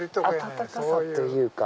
温かさというか。